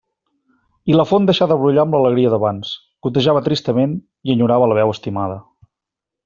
I la font deixà de brollar amb l'alegria d'abans; gotejava tristament i enyorava la veu estimada.